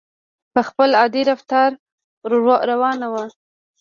په خپل عادي رفتار روانه وه.